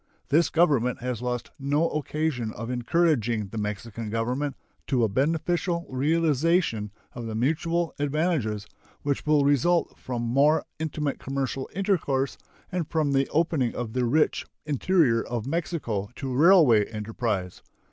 This Government has lost no occasion of encouraging the Mexican Government to a beneficial realization of the mutual advantages which will result from more intimate commercial intercourse and from the opening of the rich interior of Mexico to railway enterprise.